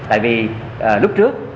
tại vì lúc trước